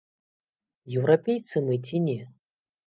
Еўрапейцы мы ці не?